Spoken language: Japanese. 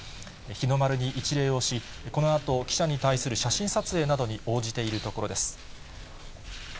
日の丸に一礼をし、このあと、記者に対する写真撮影などに応じているところです。